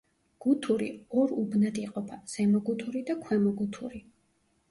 გუთური ორ უბნად იყოფა: ზემო გუთური და ქვემო გუთური.